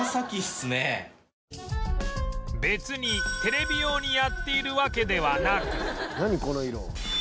別にテレビ用にやっているわけではなく